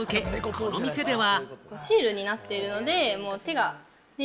この店では。